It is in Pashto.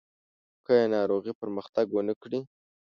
که یې ناروغي پرمختګ ونه کړي.